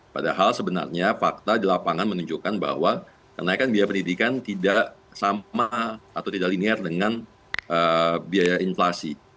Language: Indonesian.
padahal sebenarnya fakta di lapangan menunjukkan bahwa kenaikan biaya pendidikan tidak sama atau tidak linear dengan biaya inflasi